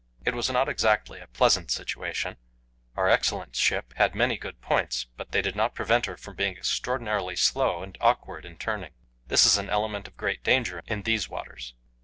It was not exactly a pleasant situation; our excellent ship had many good points, but they did not prevent her being extraordinarily slow and awkward in turning. This is an element of great danger in these waters.